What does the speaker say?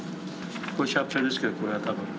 これシャープペンですけどこれは多分。